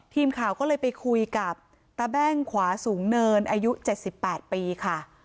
ทีมข่าวก็เลยไปคุยกับตาแบ้งขวาสูงเนินอายุ๗๘ปีค่ะ